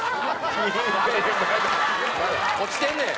落ちてんねん。